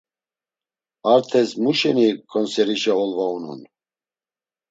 Artes muşeni ǩonserişe olva unon?